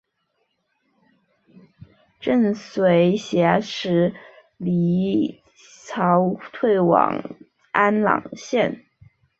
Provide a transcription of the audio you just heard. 郑绥挟持黎槱退往安朗县。